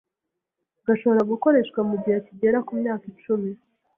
Gashobora gukoreshwa mu gihe kigera ku myaka icumi